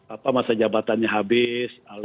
apa masa jabatannya habis